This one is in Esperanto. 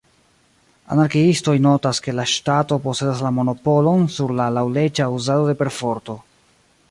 Anarkiistoj notas ke la ŝtato posedas la monopolon sur la laŭleĝa uzado de perforto.